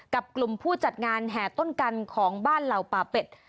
กับกลุ่มผู้จัดงานแห่ต้นกันของบ้านเหล่าป่าเป็ด